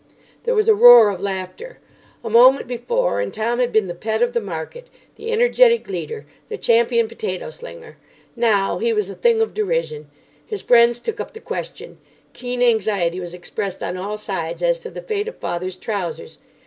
There was a roar of laughter. A moment before, and Tom had been the pet of the market, the energetic leader, the champion potato slinger. Now he was a thing of derision. His friends took up the question. Keen anxiety was expressed on all sides as to the fate of father's trousers.